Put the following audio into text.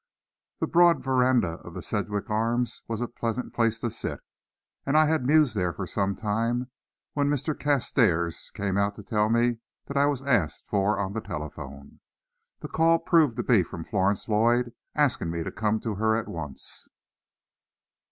The broad veranda of the Sedgwick Arms was a pleasant place to sit, and I had mused there for some time, when Mr. Carstairs came out to tell me that I was asked for on the telephone. The call proved to be from Florence Lloyd asking me to come to her at once.